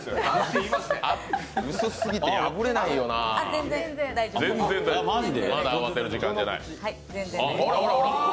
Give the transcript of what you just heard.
薄すぎて破れないよなあ、全然大丈夫、まだ慌てる時間じゃない。